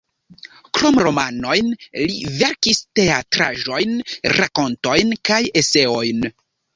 Krom romanojn li verkis teatraĵojn, rakontojn kaj eseojn.